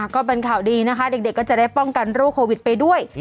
ก็เป็นข่าวดีนะคะเด็กก็จะได้ป้องกันโรคโควิดไปด้วย